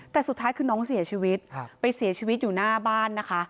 แต่สุดท้ายคือน้องเสียชีวิตไปเสียชีวิตอยู่หน้าบ้านนะคะ